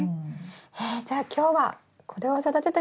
えじゃあ今日はこれを育ててみましょうか。